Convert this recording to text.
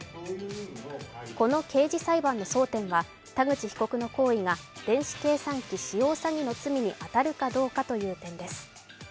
この刑事裁判の争点は田口被告の行為が電子計算機使用詐欺の罪に当たるかどうかという点です。